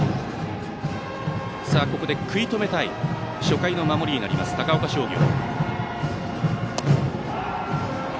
ここで食い止めたい初回の守りになります、高岡商業。